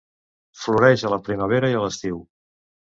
Floreix a la primavera i a l'estiu.